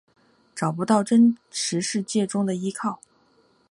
找不到真实世界中的依靠